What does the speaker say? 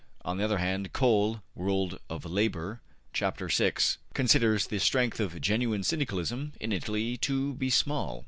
On the other hand Cole (``World of Labour,'' chap. vi) considers the strength of genuine Syndicalism in Italy to be small.